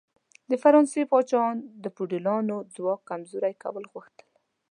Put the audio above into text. د فرانسې پاچاهان د فیوډالانو ځواک کمزوري کول غوښتل.